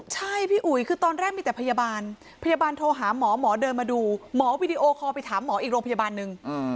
ใช่พี่อุ๋ยคือตอนแรกมีแต่พยาบาลพยาบาลโทรหาหมอหมอเดินมาดูหมอวิดีโอคอลไปถามหมออีกโรงพยาบาลนึง